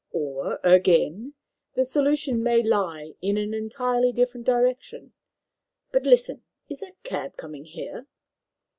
Or, again, the solution may lie in an entirely different direction. But listen! Is that cab coming here?"